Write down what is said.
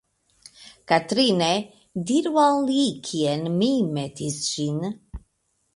Katrine, diru al li kien mi metis ĝin.